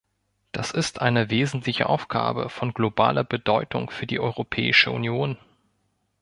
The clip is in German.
Das ist eine wesentliche Aufgabe von globaler Bedeutung für die Europäische Union.